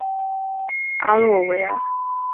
阿洛维尔。